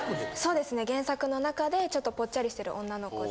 そうですね原作の中でちょっとぽっちゃりしてる女の子で。